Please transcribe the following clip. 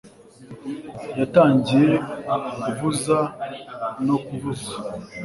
yatangiye kuvuza no kuvuza